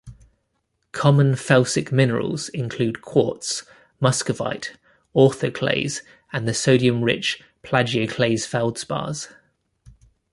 Common felsic minerals include quartz, muscovite, orthoclase, and the sodium-rich plagioclase feldspars.